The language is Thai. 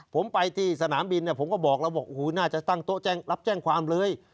ผมไปที่สนามบินผมก็บอกแล้วบอกโอ้โหน่าจะตั้งโต๊ะรับแจ้งความเลย